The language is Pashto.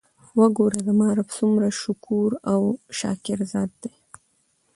وګوره! زما رب څومره شکور او شاکر ذات دی!!؟